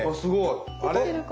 あれ？